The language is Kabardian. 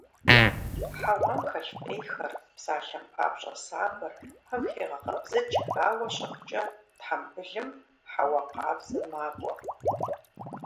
Хьэуам хэлъ фӀейхэр, псалъэм папщӀэ сабэр, пэм хегъэкъэбзыкӀ, ауэ щыхъукӀэ, тхьэмбылым хьэуа къабзэ макӀуэ.